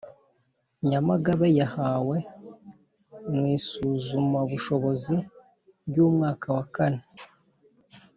Nyamagabe yahawe mu isuzumabushobozi ry umwaka wa kane